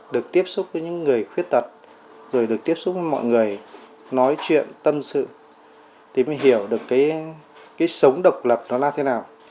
được tiếp xúc với những người khuyết tật rồi được tiếp xúc với mọi người nói chuyện tâm sự thì mới hiểu được cái sống độc lập nó là thế nào